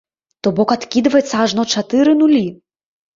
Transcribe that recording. То бок адкідваецца ажно чатыры нулі!